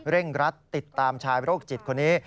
เร่งรัฐติดตามชายโรคจิตคนี้